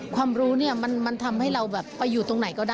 ความรู้เนี่ยมันทำให้เราแบบไปอยู่ตรงไหนก็ได้